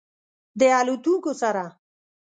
د الوتونکو سره